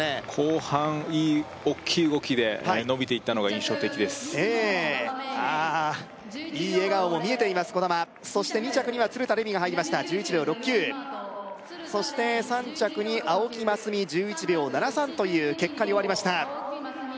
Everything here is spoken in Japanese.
後半いいおっきい動きで伸びていったのが印象的ですええああいい笑顔も見えています兒玉そして２着には鶴田玲美が入りました１１秒６９そして３着に青木益未１１秒７３という結果に終わりました